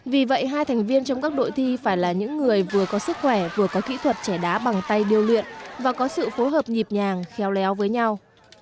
vì vậy hai thành viên trong các đội thi phải là những người vừa có sức khỏe vừa có kỹ thuật trẻ đá bằng tay điêu luyện và có sự phối hợp nhịp nhàng khéo léo với nhau